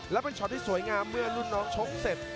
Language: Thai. และเป็นช็อตที่สวยงามเมื่อรุ่นน้องชกเสร็จ